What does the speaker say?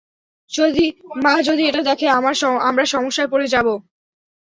মা যদি এটা দেখে, আমরা সমস্যায় পড়ে যাব।